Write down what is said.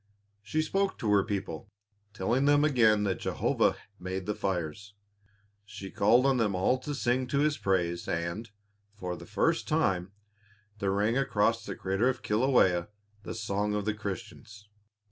She spoke to her people, telling them again that Jehovah made the fires. She called on them all to sing to His praise and, for the first time, there rang across the crater of Kilawea the song of Christians.